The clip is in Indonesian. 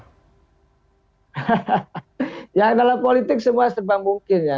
ya dalam politik semua serba mungkin ya